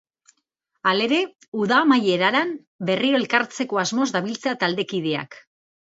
Halere, uda amaieraran berriro elkartzeko asmoz dabiltza taldekideak.